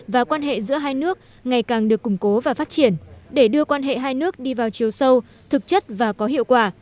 và quan hệ giữa hai nước ngày càng được củng cố và phát triển để đưa quan hệ hai nước đi vào chiều sâu thực chất và có hiệu quả